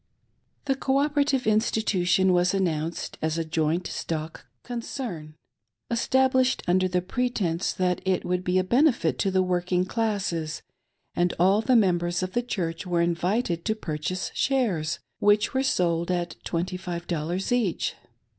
The Cooperative Institution was announced as a joint stock concern, established under the pretence that it would be a benefit to the working classes, and all the members of the Church were invited tp purchase shares, which were sold at THE "CO OP," 603 twenty five dollars each.